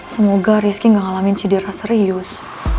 semoga rizky gak ngalamin cidera serius